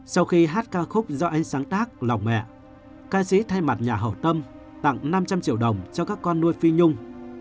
sau khi hát ca khúc do anh sáng tác lòng mẹ ca sĩ thay mặt nhà hậu tâm tặng năm trăm linh triệu đồng cho các con nuôi phi nhung